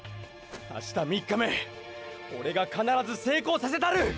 明日３日目オレが必ず成功させたる！！